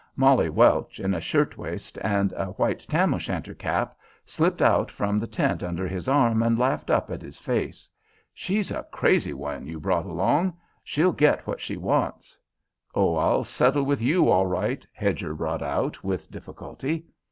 Molly Welch, in a shirt waist and a white tam o' shanter cap, slipped out from the tent under his arm and laughed up in his face. "She's a crazy one you brought along. She'll get what she wants!" "Oh, I'll settle with you, all right!" Hedger brought out with difficulty.